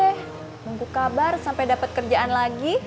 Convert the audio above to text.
tunggu kabar sampai dapat kerjaan lagi